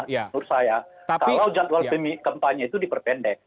kalau jadwal kpu itu diperpendek